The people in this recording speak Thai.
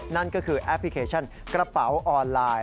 นั่นก็คือแอปพลิเคชันกระเป๋าออนไลน์